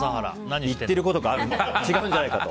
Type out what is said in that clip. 言ってることが違うんじゃないかと。